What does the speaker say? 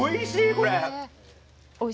これ。